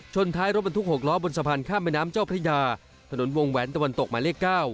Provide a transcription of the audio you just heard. ท้ายรถบรรทุก๖ล้อบนสะพานข้ามแม่น้ำเจ้าพระยาถนนวงแหวนตะวันตกหมายเลข๙